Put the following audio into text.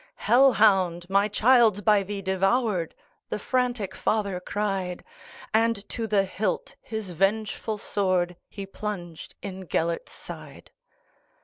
"Hell hound! my child 's by thee devoured,"The frantic father cried; And to the hilt his vengeful swordHe plunged in Gêlert's side.